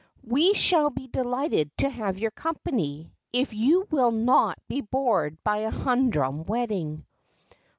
' We shall be delighted to have your company, if you will not be bored by a humdrum wedding.'